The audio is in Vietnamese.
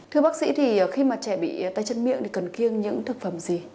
thưa bác sĩ thì khi mà trẻ bị tay chân miệng thì cần kiêng những thực phẩm gì